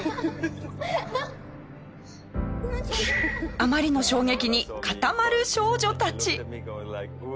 あまりの衝撃に固まる少女たち。